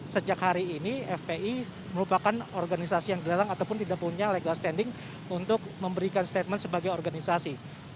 sejak hari ini fpi merupakan organisasi yang dilarang ataupun tidak punya legal standing untuk memberikan statement sebagai organisasi